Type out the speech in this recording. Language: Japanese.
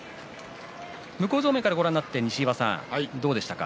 向正面からご覧になって西岩さん、どうでしたか。